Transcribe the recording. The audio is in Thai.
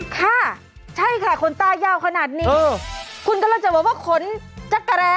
ค่ะใช่ค่ะขนตายาวขนาดนี้คุณกำลังจะบอกว่าขนจักรแร้